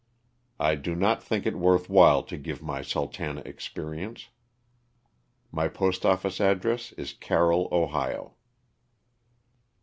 I do not think it worth while to give my "Sultana" experience. My postoffice address is Carroll, Ohio.